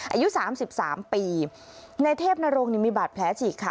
อายุ๓๓ปีในเทพนรงค์นี่มีบาดแผลฉีกค่ะ